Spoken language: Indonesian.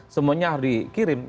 semuanya harus dipindahkan ke kpu